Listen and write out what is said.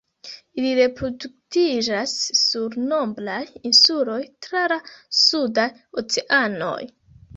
Ili reproduktiĝas sur nombraj insuloj tra la sudaj oceanoj.